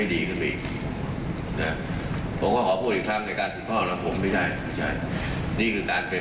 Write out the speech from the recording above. หนึ่งนี้หนึ่งโน้นหนึ่งกล้องหนึ่งกล้องไม่เกี่ยวของผม